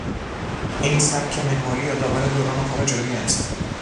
این سبک معماری یادآور دوران قاجاریه است.